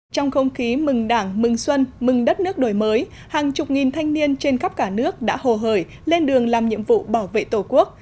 trong không khí mừng đảng mừng xuân mừng đất nước đổi mới hàng chục nghìn thanh niên trên khắp cả nước đã hồ hời lên đường làm nhiệm vụ bảo vệ tổ quốc